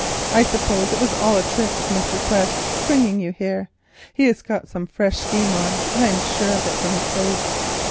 I suppose it was a trick of Mr. Quest's bringing you here. He has got some fresh scheme on, I am sure of it from his face.